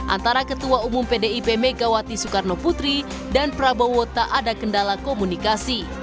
antara ketua umum pdip megawati soekarno putri dan prabowo tak ada kendala komunikasi